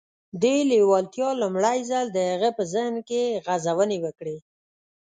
دې لېوالتیا لومړی ځل د هغه په ذهن کې غځونې وکړې.